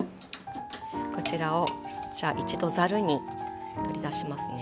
こちらをじゃあ一度ざるに取り出しますね。